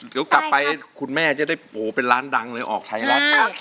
เดี๋ยวกลับไปคุณแม่จะได้โหเป็นร้านดังเลยออกไทยรัฐ